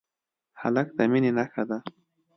هلک د مینې نښه ده.